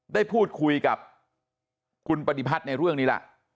ได้พูดคุยกับคุณปฏิพัฒน์ในเรื่องนี้ล่ะ